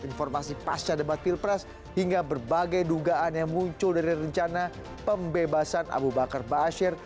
informasi pasca debat pilpres hingga berbagai dugaan yang muncul dari rencana pembebasan abu bakar ⁇ baasyir ⁇